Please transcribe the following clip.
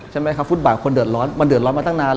ใช่ไหมครับฟุตบาร์คนเดินร้อนมันเดินร้อนมาตั้งนานแล้ว